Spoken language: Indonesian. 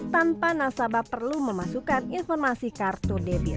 tanpa nasabah perlu memasukkan informasi kartu debit